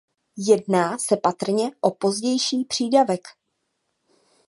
Jedná se patrně o pozdější přídavek.